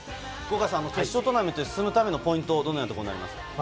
決勝トーナメントに進むためのポイント、どのようなとこですか？